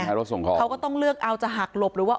รถส่งของเขาก็ต้องเลือกเอาจะหักหลบหรือว่า